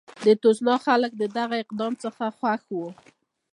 د تسوانا خلک له دغه اقدام څخه خوښ وو.